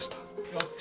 やった！